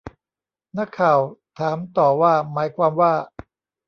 นักข่าวถามต่อว่าหมายความว่า